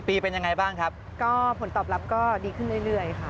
ปีเป็นยังไงบ้างครับก็ผลตอบรับก็ดีขึ้นเรื่อยเรื่อยค่ะ